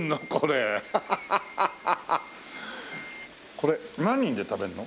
これ何人で食べるの？